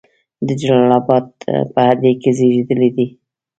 د جلال آباد په هډې کې زیږیدلی دی.